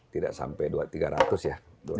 tidak sampai dua tiga ratus ya